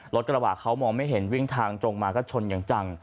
รถกระบะเขามองไม่เห็นวิ่งทางตรงมาก็ชนอย่างจัง